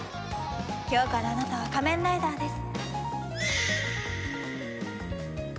今日からあなたは仮面ライダーです。